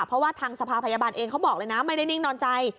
เพราะว่าทางสภาพยาบาลเองเขาบอกเลยนะไม่ได้นิ่งนอนใจ